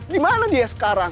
dimana dia sekarang